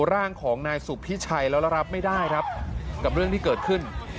ร่างของนายสุพิชัยแล้วแล้วรับไม่ได้ครับกับเรื่องที่เกิดขึ้น